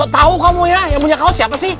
tau kamu ya yang punya kaos siapa sih